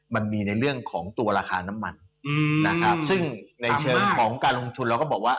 มันมีในเรื่องของตัวราคาน้ำมันนะครับซึ่งในเชิงของการลงทุนเราก็บอกว่า